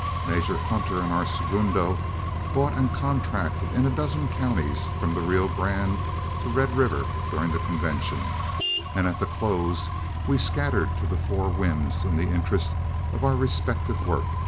Major Hunter and our segundo bought and contracted in a dozen counties from the Rio Grande to Red River during the convention, and at the close we scattered to the four winds in the interests of our respective work.